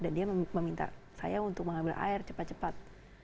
dan dia meminta saya untuk mengambil air cepat cepat